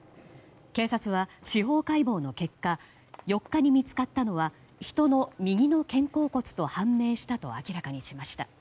警察は、司法解剖の結果４日に見つかったのは人の右の肩甲骨と判明したと明らかにしました。